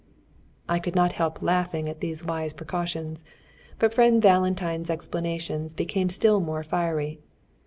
I could not help laughing at these wise precautions. But friend Valentine's explanations became still more fiery.